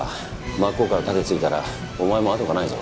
真っ向から盾ついたらお前も後がないぞ。